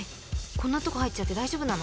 こんなとこ入っちゃって大丈夫なの？］